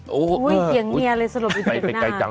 โอ้โหเออไปไกลจังเถียงเมียเลยสลบอยู่เถียงนา